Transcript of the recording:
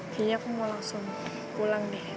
kayaknya aku mau langsung pulang nih